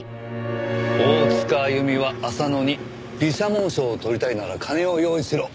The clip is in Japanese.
大塚あゆみは浅野に美写紋賞を取りたいなら金を用意しろと言われた。